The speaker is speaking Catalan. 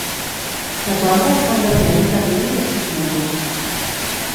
Les obres s'han de fer en un termini de sis mesos.